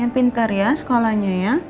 pintar ya sekolahnya ya